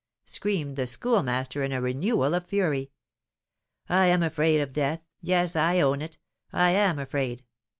screamed the Schoolmaster, in a renewal of fury. "I am afraid of death yes, I own it, I am afraid.